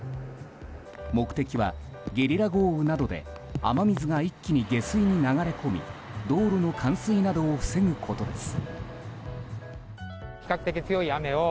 目的はゲリラ豪雨などで雨水が一気に下水に流れ込み道路の冠水などを防ぐことです。